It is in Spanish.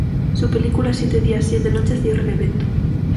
Su película Siete días siete noches cierra el evento.